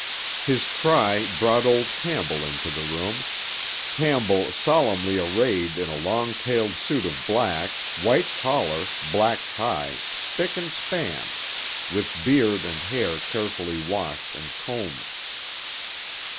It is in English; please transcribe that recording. His cry brought old Campbell into the room—Campbell solemnly arrayed in a long tailed suit of black, white collar, black tie, spick and span, with beard and hair carefully washed and combed.